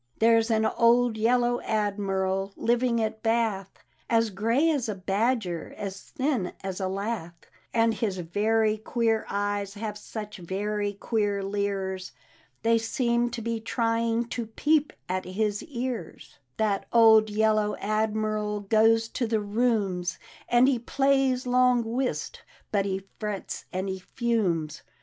" There's an old Yellow Admiral living at Bath, As grey as a badger, as thin as a lath; And his very queer eyes have such very queer leers. They seem to be trying to peep at his cars; That old Yellow Admiral goes to the Rooms, And he plays long whist, but he frets and he fumes.